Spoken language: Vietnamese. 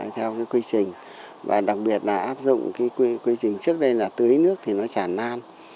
theo cái quy trình và đặc biệt là áp dụng cái quy trình trước đây là tưới nước thì nó chả nan